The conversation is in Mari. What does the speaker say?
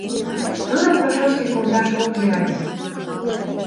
Тудым пашашке колташ ок лий ыле!..